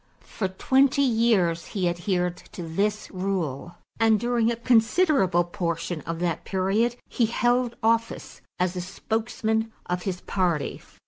For twenty years he adhered to this rule and during a considerable portion of that period he held office as a spokesman of his party.